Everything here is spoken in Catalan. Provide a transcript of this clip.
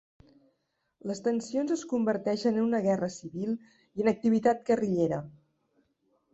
Les tensions es converteixen en una guerra civil i en activitat guerrillera.